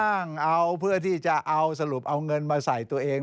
อ้างเอาเพื่อที่จะเอาสรุปเอาเงินมาใส่ตัวเอง